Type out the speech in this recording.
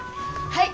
はい。